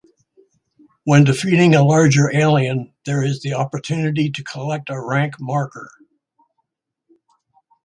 When defeating a larger alien, there is the opportunity to collect a rank marker.